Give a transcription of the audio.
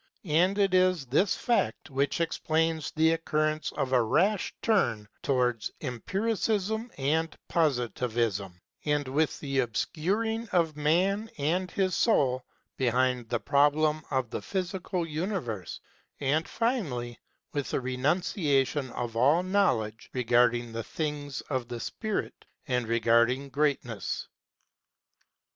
And it is this fact which explains the occurrence of a rash turn towards Empiricism and Positivism and with the obscuring of man and his soul behind the problem of the physical universe, and, finally, with the re nunciation of all knowledge regarding the things of the spirit and regarding greatness.